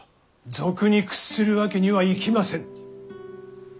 賊に屈するわけにはいきませぬ。